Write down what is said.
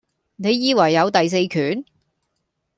你以為有第四權?